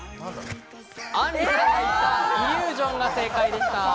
あんりさんが言った「イリュージョン」が正解でした。